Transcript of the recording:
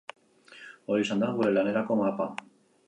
Hori izan da gure lanerako mapa.